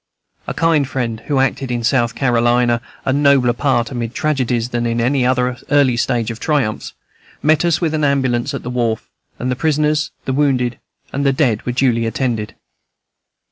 A kind friend, who acted in South Carolina a nobler part amid tragedies than in any of her early stage triumphs, met us with an ambulance at the wharf, and the prisoners, the wounded, and the dead were duly attended.